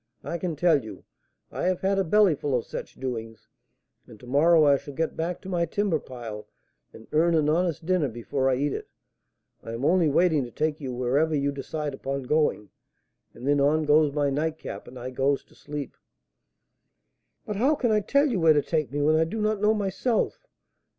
I can tell you I have had a bellyful of such doings, and to morrow I shall get back to my timber pile, and earn an honest dinner before I eat it. I am only waiting to take you wherever you decide upon going, and then on goes my nightcap and I goes to sleep." "But how can I tell you where to take me, when I do not know myself?